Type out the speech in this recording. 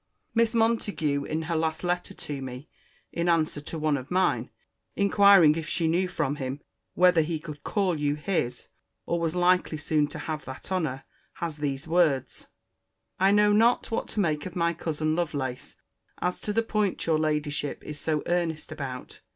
Miss Montague, in her last letter to me, in answer to one of mine, inquiring if she knew from him whether he could call you his, or was likely soon to have that honour, has these words: 'I know not what to make of my cousin Lovelace, as to the point your Ladyship is so earnest about.